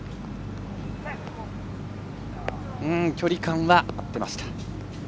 距離感は合ってました。